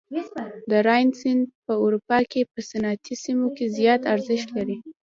د راین سیند په اروپا په صنعتي سیمو کې زیات ارزښت لري.